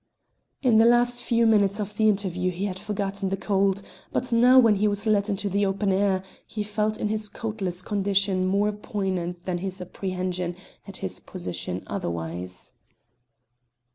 In the last few minutes of the interview he had forgotten the cold, but now when he was led into the open air he felt it in his coatless condition more poignant than his apprehension at his position otherwise.